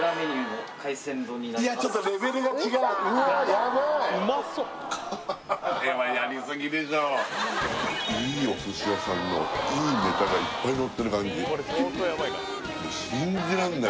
ヤバいいいお寿司屋さんのいいネタがいっぱいのってる感じ信じらんない